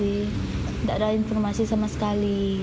tidak ada informasi sama sekali